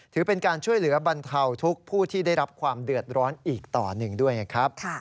ถือเป็นการช่วยเหลือบรรเทาทุกผู้ที่ได้รับความเดือดร้อนอีกต่อหนึ่งด้วยนะครับ